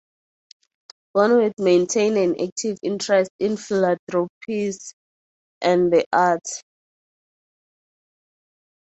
Bonwit maintained an active interest in philanthropies and the arts.